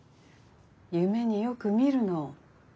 夢によく見るの。